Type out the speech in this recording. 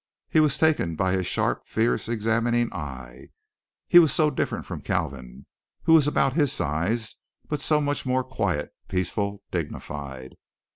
He was taken by his sharp, fierce, examining eye. He was so different from Kalvin, who was about his size, but so much more quiet, peaceful, dignified.